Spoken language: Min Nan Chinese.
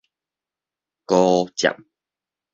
孤佔